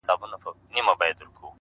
دغه نجلۍ نن له هيندارې څخه زړه راباسي _